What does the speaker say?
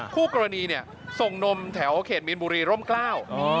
คู่กรณีเนี่ยส่งนมแถวเขตมีนบุรีร่มกล้า